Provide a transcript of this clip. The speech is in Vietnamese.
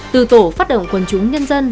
từ tổ phát động quân chúng nhân dân